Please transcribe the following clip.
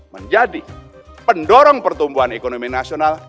menjadi pendorong pertumbuhan ekonomi nasional